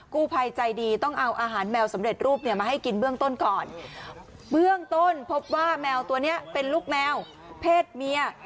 กู้ภัยใจดีต้องเอาอาหารแมวสำเร็จรูปเนี่ยมาให้กินเบื้องต้นก่อนเบื้องต้นพบว่าแมวตัวเนี้ยเป็นลูกแมวเพศเมีย